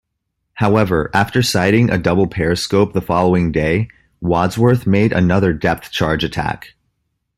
However, after sighting a double periscope the following day, "Wadsworth" made another depth-charge attack.